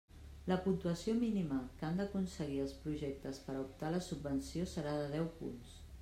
La puntuació mínima que han d'aconseguir els projectes per a optar a la subvenció serà de deu punts.